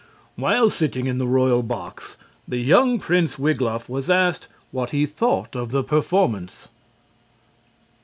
While sitting in the royal box, the young prince Wiglaf was asked what he thought of the performance.